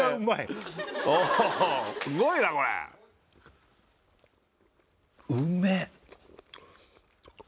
すごいなこれうめ！